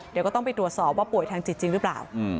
เดี๋ยวก็ต้องไปตรวจสอบว่าป่วยทางจิตจริงหรือเปล่า